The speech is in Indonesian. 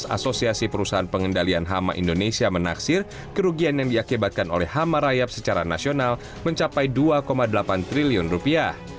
asosiasi perusahaan pengendalian hama indonesia menaksir kerugian yang diakibatkan oleh hama rayap secara nasional mencapai dua delapan triliun rupiah